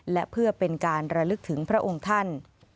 และเพื่อเป็นการระลึกถึงพระองค์ท่าน